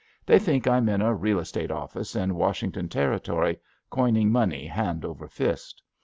They think I'm in a real estate office in Washington Territory, coining money hand over fist.